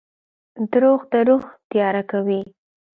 • دروغ د روح تیاره کوي.